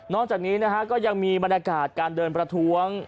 จากนี้นะฮะก็ยังมีบรรยากาศการเดินประท้วง